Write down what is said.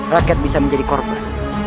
rakyat bisa menjadi korban